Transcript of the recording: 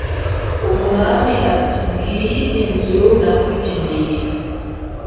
umwami ati: "Ngiyi inzu nakugeneye